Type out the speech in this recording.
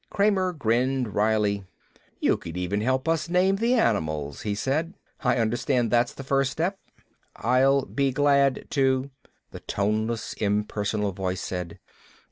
Kramer grinned wryly. "You could even help us name the animals," he said. "I understand that's the first step." "I'll be glad to," the toneless, impersonal voice said.